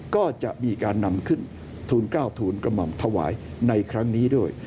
ก็จะมีการนำขึ้นทูล๙ทูลกระหม่อมถวายในครั้งนี้ด้วย